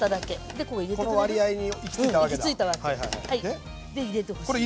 で入れてほしいの。